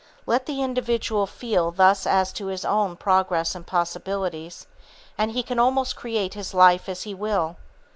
Let the individual feel thus as to his own progress and possibilities, and he can almost create his life as he will.